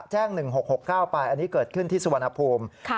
๑๖๖๙ไปอันนี้เกิดขึ้นที่สุวรรณภูมิ